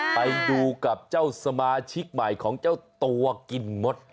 ไปดูกับเจ้าสมาชิกใหม่ของเจ้าตัวกินมด